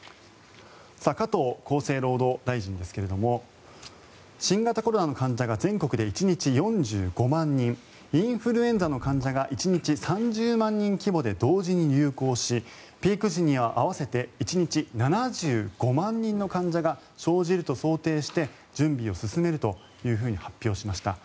加藤厚生労働大臣ですが新型コロナの患者が１日４５万人インフルエンザの患者が１日３０万人規模で同時に流行しピーク時には合わせて１日７５万人の患者が生じると想定して準備を進めると発表しました。